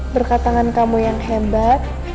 berkat tangan kamu yang hebat